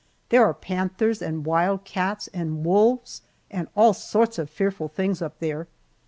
There are panthers and wild cats and wolves and all sorts of fearful things up there.